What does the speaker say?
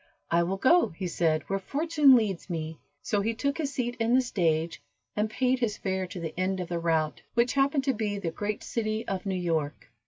"I will go," he said, "where fortune leads me." So he took his seat in the stage, and paid his fare to the end of the route, which happened to be the great city of New York.